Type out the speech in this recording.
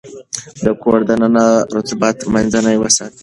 د کور دننه رطوبت منځنی وساتئ.